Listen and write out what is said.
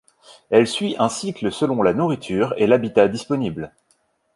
Elle suit un cycle selon la nourriture et l'habitat disponible.